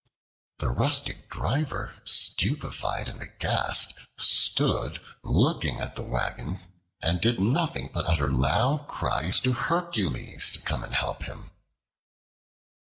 The rustic driver, stupefied and aghast, stood looking at the wagon, and did nothing but utter loud cries to Hercules to come and help him.